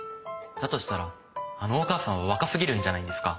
だとしたらあのお母さんは若すぎるんじゃないんですか？